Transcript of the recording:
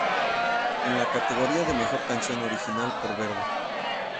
En la categoría de mejor canción original por Verbo.